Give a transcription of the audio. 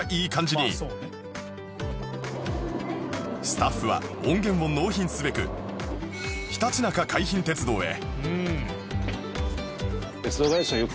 スタッフは音源を納品すべくひたちなか海浜鉄道へ